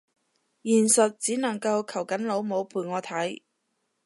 現實只能夠求緊老母陪我睇